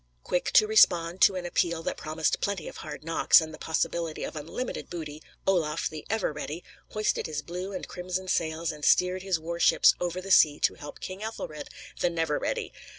Quick to respond to an appeal that promised plenty of hard knocks, and the possibility of unlimited booty, Olaf, the ever ready, hoisted his blue and crimson sails and steered his war ships over the sea to help King Ethelred, the never ready.